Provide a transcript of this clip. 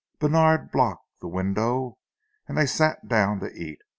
Bènard blocked the window, and they sat down to eat.